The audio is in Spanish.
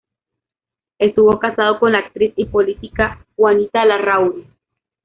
Estuvo casado con la actriz y política Juanita Larrauri.